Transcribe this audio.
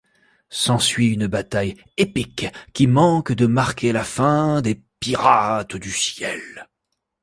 S'ensuit une bataille épique qui manque de marquer la fin des pirates du ciel.